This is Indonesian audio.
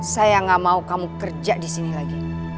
saya gak mau kamu kerja disini lagi